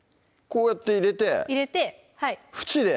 こうやって入れてふちで？